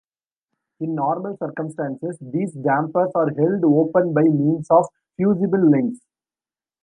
In normal circumstances, these dampers are held open by means of fusible links.